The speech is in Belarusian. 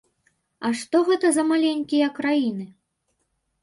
А што гэта за маленькія краіны?